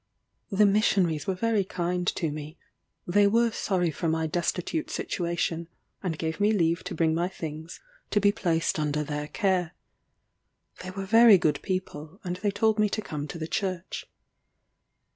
The missionaries were very kind to me they were sorry for my destitute situation, and gave me leave to bring my things to be placed under their care. They were very good people, and they told me to come to the church.